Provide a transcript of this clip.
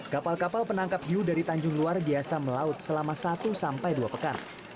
kapal kapal penangkap hiu dari tanjung luar biasa melaut selama satu sampai dua pekan